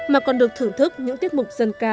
mà còn được thưởng thức những tiết mục dân ca